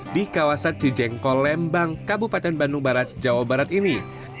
di kawasan cijengkol lembang kabupaten bandung barat jawa barat ini